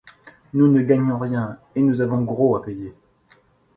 Nous ne gagnons rien, et nous avons gros à payer.